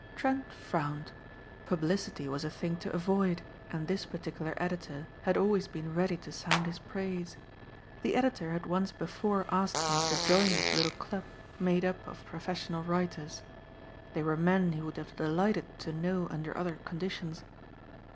Trent frowned. Publicity was a thing to avoid and this particular editor had always been ready to sound his praise. The editor had once before asked him to join this little club made up of professional writers. They were men he would have delighted to know under other conditions.